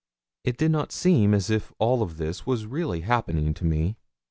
It did not seem as if all this were really happening to me.